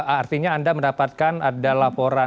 artinya anda mendapatkan ada laporan